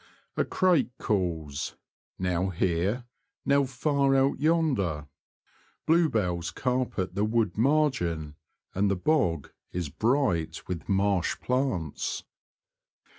A crake calls, now here, now far out yonder. Blue bells carpet the wood margin, and the bog is bright with marsh plants.